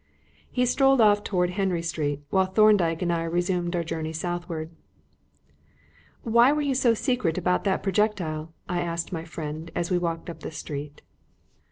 He strolled off towards Henry Street, while Thorndyke and I resumed our journey southward. "Why were you so secret about that projectile?" I asked my friend as we walked up the street.